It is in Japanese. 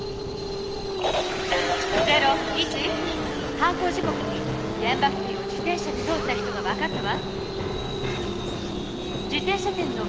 犯行時こくにげん場付近を自転車で通った人が分かったわ！